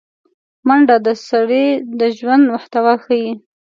منډه د سړي د ژوند محتوا ښيي